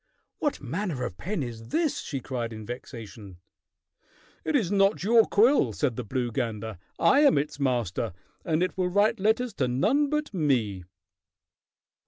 "What manner of pen is this?" she cried in vexation. "It is not your quill," said the blue gander. "I am its master, and it will write letters to none but me."